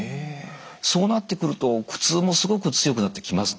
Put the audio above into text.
そうなってくると苦痛もすごく強くなってきます。